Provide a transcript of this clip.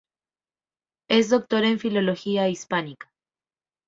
Es Doctor en Filología Hispánica.